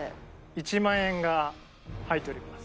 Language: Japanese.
１万円が入っております。